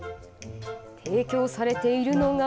提供されているのが。